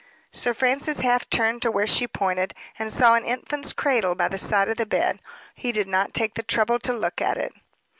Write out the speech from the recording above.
Sir Francis half turned to where she pointed, and saw an infant's cradle by the side of the bed. He did not take the trouble to look at it.